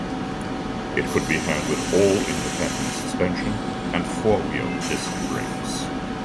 It could be had with all independent suspension and four wheel disc brakes.